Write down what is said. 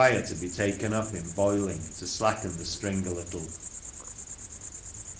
e to betaken up in boiling to XIacken the firing a little.